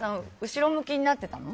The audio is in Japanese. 後ろ向きになってたの？